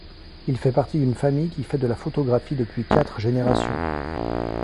Il fait partie d'une famille qui fait de la photographie depuis quatre générations.